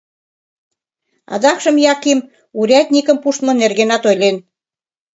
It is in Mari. Адакшым Яким урядникым пуштмо нергенат ойлен.